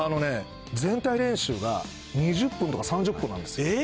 全体練習が２０分とか３０分なんですよ。